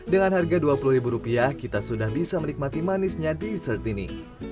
dengan harga dua puluh ribu rupiah kita sudah bisa menikmati manisnya dessert ini